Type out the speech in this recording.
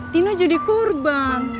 tino jadi kurban